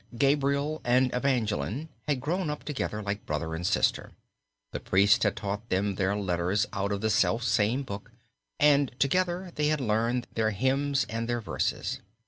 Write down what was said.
Gabriel and Evangeline had grown up together like brother and sister. The priest had taught them their letters out of the selfsame book, and together they had learned their hymns and their verses.